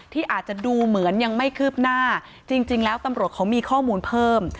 ที่อาจจะดูเหมือนยังไม่คืบหน้าจริงแล้วตำรวจเขามีข้อมูลเพิ่ม